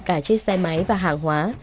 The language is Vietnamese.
cả chiếc xe máy và hàng hóa